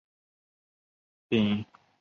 胼足蝠属等之数种哺乳动物。